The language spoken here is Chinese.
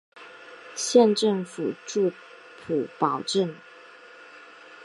县政府驻普保镇。